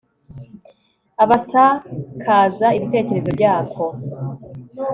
abasakaza ibitekerezo byako